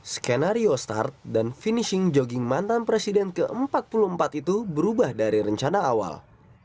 skenario start dan finishing jogging mantan presiden ke empat puluh empat itu berubah dari rencana awal